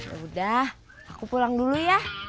yaudah aku pulang dulu ya